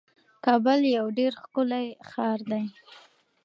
کابل یو ډیر ښکلی ښار دی.